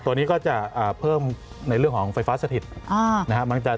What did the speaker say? ตัวนี้ก็จะเพิ่มในเรื่องของไฟฟ้าสถิตนะครับ